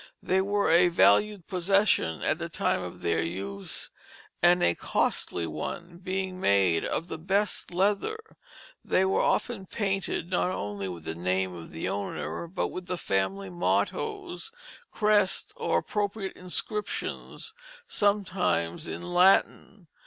They were a valued possession at the time of their use, and a costly one, being, made of the best leather. They were often painted not only with the name of the owner, but with family mottoes, crests, or appropriate inscriptions, sometimes in Latin.